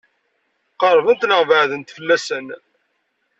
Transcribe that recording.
Qeṛbent neɣ beɛdent fell-asen?